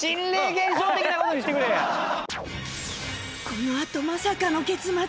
このあとまさかの結末！